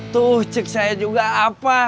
tuh cek saya juga apa